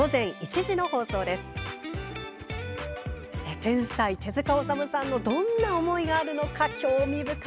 天才・手塚治虫さんのどんな思いがあるのか興味深い。